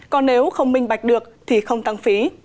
còn nếu không minh bạch được thì không tăng phí